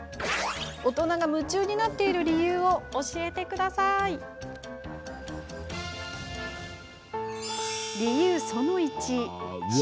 大人が夢中になっている理由を教えていただきました。